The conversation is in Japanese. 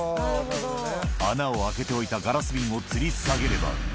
穴を開けておいたガラス瓶をつり下げれば。